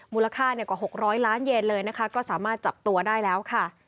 มูลค่ากว่า๖๐๐ล้านเยนเลยนะคะก็สามารถจับตัวได้แล้วค่ะ